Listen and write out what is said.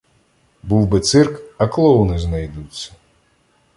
Був би цирк, а клоуни знайдуться.